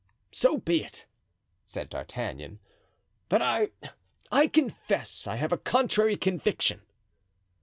"So be it!" said D'Artagnan, "but I—I confess I have a contrary conviction."